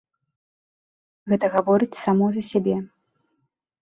Гэта гаворыць само за сябе.